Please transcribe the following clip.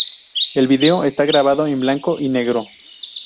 El vídeo está grabado en blanco y negro.